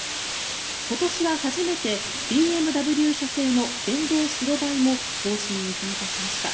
今年は初めてＢＭＷ社製の電動白バイも行進に参加しました。